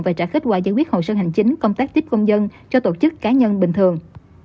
và trả kết quả giải quyết hồ sơ hành chính công tác tiếp công dân cho tổ chức cá nhân bình thường